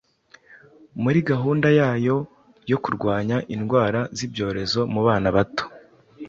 muri gahunda yayo yo kurwanya indwara z’ibyorezo mu bana bato.